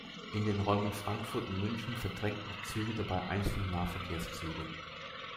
In den Räumen Frankfurt und München verdrängten die Züge dabei einzelne Nahverkehrszüge.